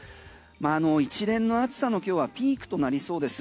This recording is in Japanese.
一連の暑さの今日はピークとなりそうです。